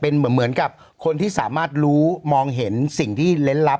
เค้าบอกว่าเหมือนกับผู้สามรู้มองเห็นสิ่งที่เลิศรัพธ์